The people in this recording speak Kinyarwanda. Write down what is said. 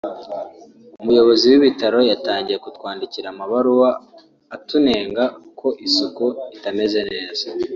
Umuyobozi w’Ibitaro yatangiye kutwandikira amabaruwa atunenga ko isuku itameze neza